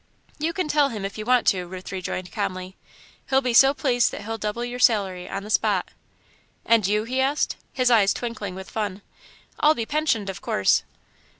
"You can tell him if you want to," Ruth rejoined, calmly. "He'll be so pleased that he'll double your salary on the spot." "And you?" he asked, his eyes twinkling with fun. "I'll be pensioned, of course."